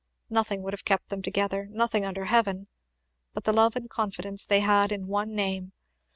Nothing would have kept them together, nothing under heaven but the love and confidence they had in one name.